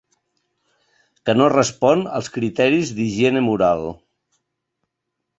Que no respon als criteris d'higiene moral.